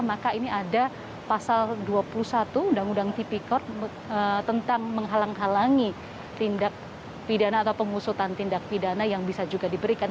maka ini ada pasal dua puluh satu undang undang tipikor tentang menghalang halangi tindak pidana atau pengusutan tindak pidana yang bisa juga diberikan